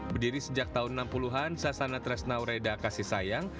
jadi sejak tahun enam puluh an sasana tresnaw reda kasih sayang